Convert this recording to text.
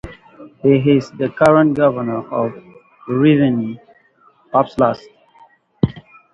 He is the current Governor of Rivne Oblast.